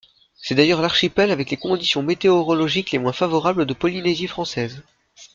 C'est d'ailleurs l'archipel avec les conditions météorologiques les moins favorables de Polynésie française.